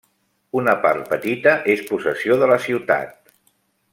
Una part petita és possessió de la ciutat.